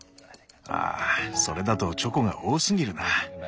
ああそれだとチョコが多すぎるな。